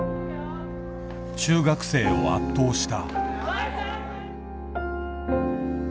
中学生を圧倒した。